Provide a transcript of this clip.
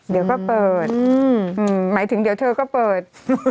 เดี๋ยวก็เปิดหมายถึงเดี๋ยวเธอก็เปิด